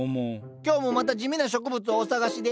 今日もまた地味な植物をお探しで？